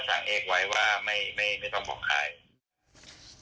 ออสจะสั่งเอกไว้ว่าไม่ต้องบอกใคร